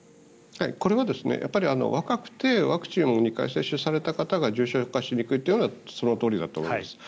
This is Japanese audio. これは、若くてワクチンを２回接種された方が重症化しにくいというのはそのとおりだと思います。